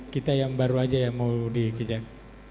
kita yang baru aja yang mau dikejar